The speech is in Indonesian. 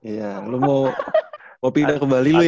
iya lu mau pindah ke bali lu ya